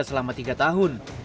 selama tiga tahun